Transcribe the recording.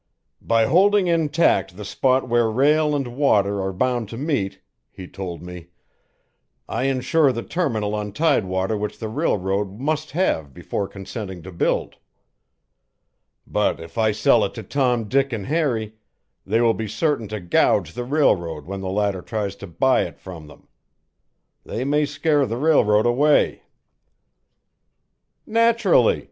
'By holding intact the spot where rail and water are bound to meet,' he told me, 'I insure the terminal on tidewater which the railroad must have before consenting to build. But if I sell it to Tom, Dick, and Harry, they will be certain to gouge the railroad when the latter tries to buy it from them. They may scare the railroad away.'" "Naturally!"